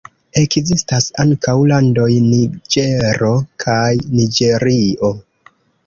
Ekzistas ankaŭ landoj Niĝero kaj Niĝerio.